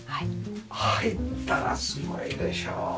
入ったらすごいでしょ。